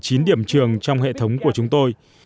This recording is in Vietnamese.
tại một mươi chín điểm trường trong hệ thống của chúng tôi